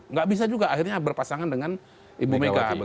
nggak bisa juga akhirnya berpasangan dengan ibu mega